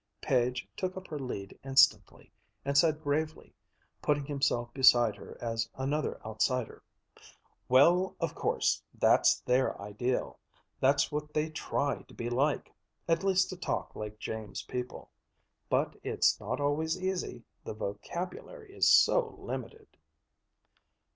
Page took up her lead instantly, and said gravely, putting himself beside her as another outsider: "Well, of course, that's their ideal. That's what they try to be like at least to talk like James people. But it's not always easy. The vocabulary is so limited."